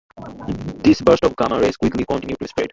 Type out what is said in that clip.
This burst of gamma rays quickly continued to spread.